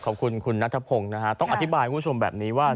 ขอบคุณคุณนัทพงศ์นะฮะต้องอธิบายคุณผู้ชมแบบนี้ว่า